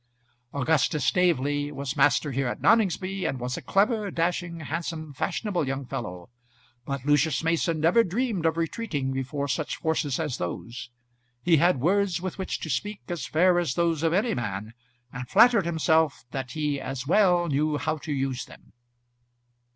Augustus Staveley was master here at Noningsby, and was a clever, dashing, handsome, fashionable young fellow; but Lucius Mason never dreamed of retreating before such forces as those. He had words with which to speak as fair as those of any man, and flattered himself that he as well knew how to use them.